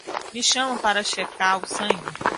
Me chame para checar o sangue